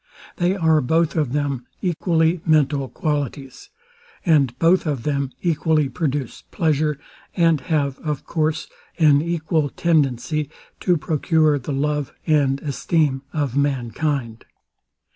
They are both of them equally mental qualities: And both of them equally produce pleasure; and have of course an equal tendency to procure the love and esteem of mankind.